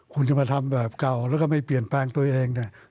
คุณจะมาทำแบบเก่าแล้วก็ไม่เปลี่ยนแปลงตัวเองเนี่ย